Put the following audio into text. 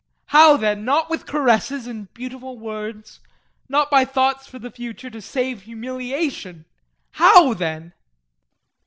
JEAN. How then? Not with caresses and beautiful words? Not by thoughts for the future, to save humiliation? How then?